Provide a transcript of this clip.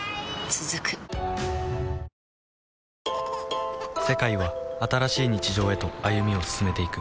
続く世界は新しい日常へと歩みを進めていく